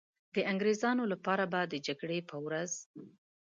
د انګریزانو لپاره به د جګړې په ورځ.